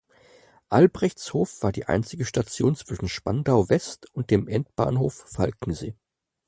Albrechtshof war die einzige Station zwischen Spandau West und dem Endbahnhof Falkensee.